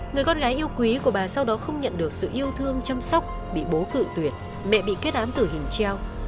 người con gái yêu quý của bà sau đó không nhận được sự yêu thương chăm sóc bị bố cự tuyệt mẹ bị kết án tử hình treo